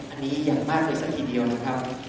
อันนี้อย่างมากเลยสักทีเดียวนะครับ